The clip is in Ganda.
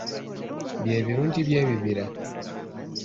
Bye birungi by'ebibira.